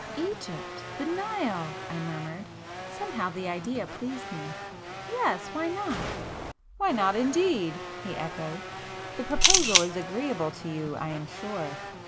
[p 385]"Egypt——the Nile!" I murmured,—somehow the idea pleased me—"Yes,——why not?" "Why not indeed!" he echoed—"The proposal is agreeable to you I am sure.